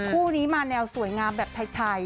คู่นี้มาแนวสวยงามแบบไทย